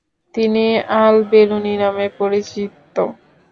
তিনি আল-বেরুনী নামে পরিচিত।